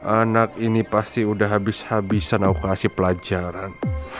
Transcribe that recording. anak ini pasti udah habis habisan aku kasih pelajaran